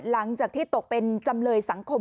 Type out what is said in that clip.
หลังจากที่ตกเป็นจำเลยสังคม